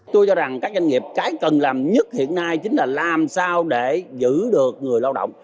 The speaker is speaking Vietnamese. tôi cho rằng các doanh nghiệp cái cần làm nhất hiện nay chính là làm sao để giữ được người lao động